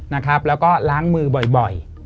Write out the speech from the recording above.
นะครับแล้วก็ล้างมือบ่อย